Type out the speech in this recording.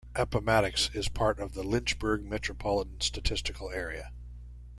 Appomattox is part of the Lynchburg Metropolitan Statistical Area.